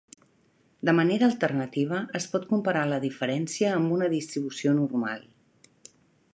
De manera alternativa, es pot comparar la diferència amb una distribució normal.